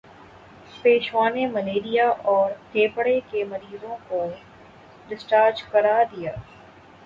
پیشوا نے ملیریا اور پھیپھڑے کے مریضوں کو ڈسچارج کرا دیا